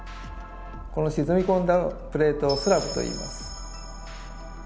この沈み込んだプレートを「スラブ」といいます。